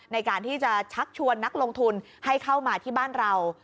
ในการที่จะชักชวนนักลงทุนให้เข้ามาที่บ้านเรา